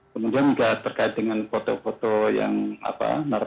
kemudian juga terkait dengan foto foto yang apa